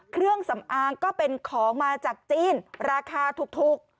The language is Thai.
เครื่องสำอางก็เป็นของมาจากจีนราคาถูก